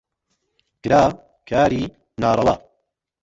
کرا کاری ناڕەوا